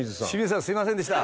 本当すみませんでした。